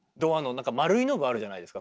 丸いノブあるじゃないですか。